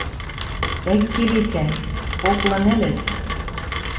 Тӓгӱ келесӓ: «Коклы нӹлӹт...»